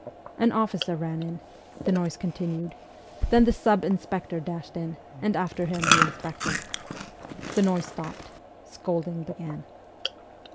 An officer ran in the noise continued ; then the sub inspector dashed in, and after him the inspector. The noise stopped. Scolding began.